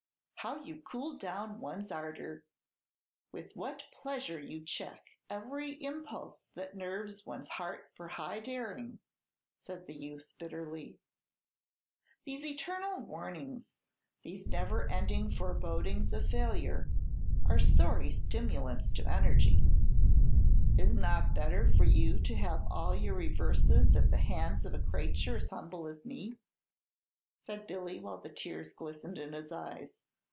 "How you cool down one's ardor; with what pleasure you check every impulse that nerves one's heart for high daring!" said the youth, bitterly. "These eternal warnings these never ending forebodings of failure are sorry stimulants to energy." "Is n't it better for you to have all your reverses at the hands of a crayture as humble as me?" said Billy, while the tears glistened in his eyes.